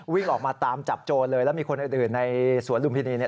วิ่งออกมาตามจับโจรเลยแล้วมีคนอื่นในสวนลุมพินี